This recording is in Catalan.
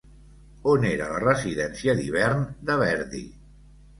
On era la residència d'hivern de Verdi?